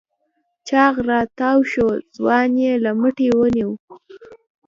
چاغ راتاوشو ځوان يې له مټې ونيو.